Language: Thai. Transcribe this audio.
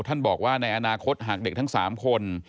บอกว่าในอนาคตหากเด็กทั้ง๓คน